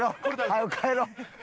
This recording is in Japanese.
早う帰ろう。